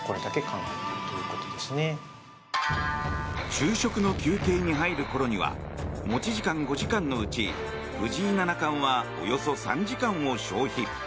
昼食の休憩に入る頃には持ち時間５時間のうち藤井七冠はおよそ３時間を消費。